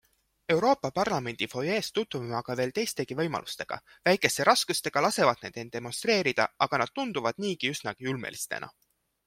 Euroopa parlamendi fuajees tutvume aga veel teistegi võimalustega, väikeste raskustega lasevad need end demonstreerida, aga nad tunduvad niigi üsnagi ulmelistena.